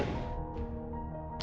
hampir aja gue nabrak